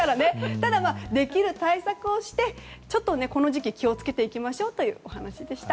ただ、できる対策をしてこの時期気をつけていきましょうというお話でした。